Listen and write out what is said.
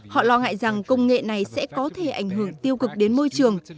họ lo ngại rằng công nghệ này sẽ có thể ảnh hưởng tiêu cực đến môi trường